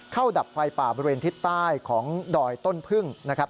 ดับไฟป่าบริเวณทิศใต้ของดอยต้นพึ่งนะครับ